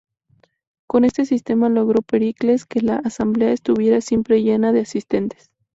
Con este sistema logró Pericles que la Asamblea estuviera siempre llena de asistentes.